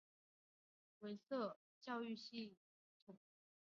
韦瑟比担任州长期间的另一项标志性成就是大幅改善了肯塔基州的教育系统。